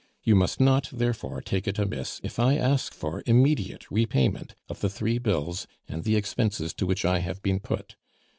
You must not, therefore, take it amiss if I ask for immediate repayment of the three bills and the expenses to which I have been put.